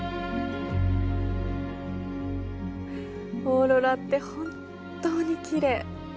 オーロラって本当にきれい。